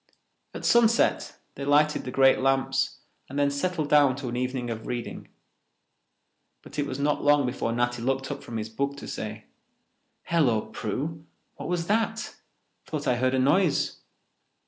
At sunset they lighted the great lamps and then settled down to an evening of reading. But it was not long before Natty looked up from his book to say, "Hello, Prue, what was that? Thought I heard a noise."